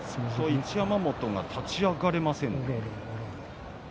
一山本、立ち上がれません。